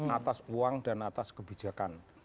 atas uang dan atas kebijakan